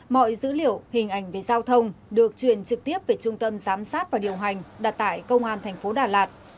mọi dữ liệu hình ảnh về giao thông được truyền trực tiếp về trung tâm giám sát và điều hành đặt tại công an thành phố đà lạt